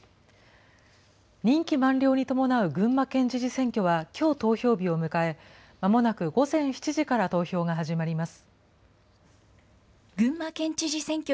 任期満了に伴う群馬県知事選挙はきょう投票日を迎え、まもなく午前７時から投票が始まります。